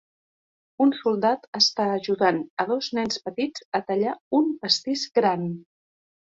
Un soldat està ajudant a dos nens petits a tallar un pastís gran